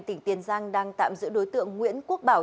tỉnh tiền giang đang tạm giữ đối tượng nguyễn quốc bảo